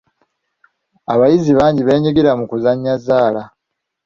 Abayizi bangi beenyigira mu kuzannya zzaala.